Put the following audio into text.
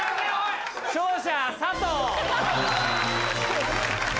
・勝者佐藤！